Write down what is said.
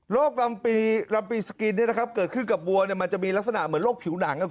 โรครำปีสกิลมีลักษณะเหมือนโรคผิวหนัง